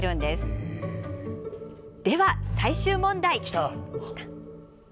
では最終問題！